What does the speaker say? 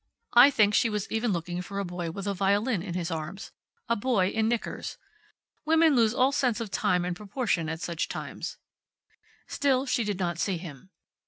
I think she was even looking for a boy with a violin in his arms. A boy in knickers. Women lose all sense of time and proportion at such times. Still she did not see him.